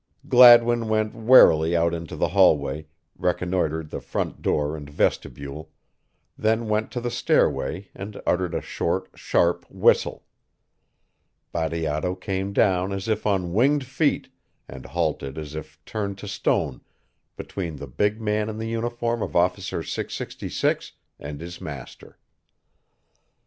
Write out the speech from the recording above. Gladwin went warily out into the hallway, reconnoitered the front door and vestibule, then went to the stairway and uttered a short, sharp whistle. Bateato came down as if on winged feet and halted as if turned to stone between the big man in the uniform of Officer 666 and his master.